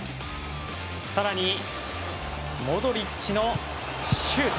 さらにモドリッチのシュート。